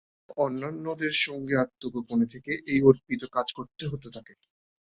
অন্যান্যদের সঙ্গে আত্মগোপনে থেকে এই অর্পিত কাজ করতে হত তাঁকে।